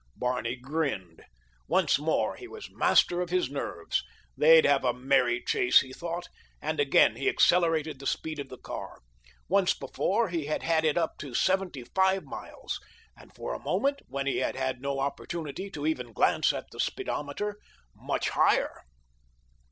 Barney grinned. Once more he was master of his nerves. They'd have a merry chase, he thought, and again he accelerated the speed of the car. Once before he had had it up to seventy five miles, and for a moment, when he had had no opportunity to even glance at the speedometer, much higher.